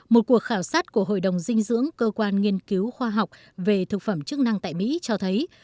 một cuộc khảo sát của hội đồng dinh dưỡng cơ quan nghiên cứu khoa học về thực phẩm chức năng tại mỹ cho thấy